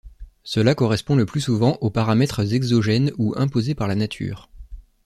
Cela correspond le plus souvent aux paramètres exogènes ou imposés par la nature.